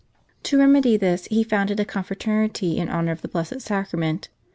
To remedy this he founded a confraternity in honour of the Blessed Sacrament.